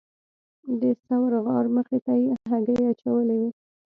د ثور غار مخې ته یې هګۍ اچولې وه.